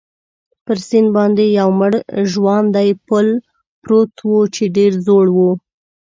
پر سیند باندې یو مړ ژواندی پل پروت وو، چې ډېر زوړ وو.